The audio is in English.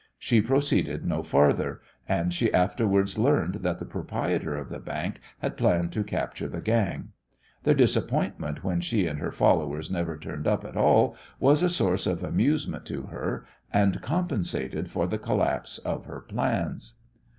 She proceeded no farther, and she afterwards learned that the proprietor of the bank had planned to capture the gang. Their disappointment when she and her followers never turned up at all was a source of amusement to her, and compensated for the collapse of her plans.